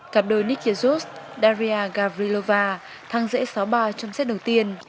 cặp đôi nick yassos daria gavrilova thắng dễ sáu ba trong xét đầu tiên